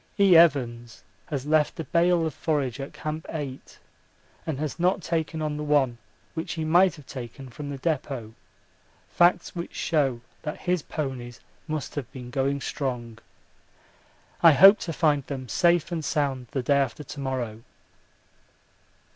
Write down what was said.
E. Evans has left a bale of forage at Camp 8 and has not taken on the one which he might have taken from the depôt facts which show that his ponies must have been going strong. I hope to find them safe and sound the day after to morrow.